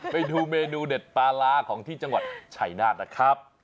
ไปดูเมนูเด็ดปลาร้าของที่จังหวัดชัยนาธนะครับ